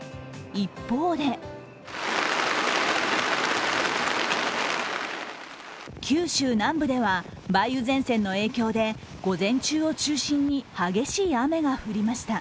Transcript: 一方で九州南部では梅雨前線の影響で午前中を中心に激しい雨が降りました。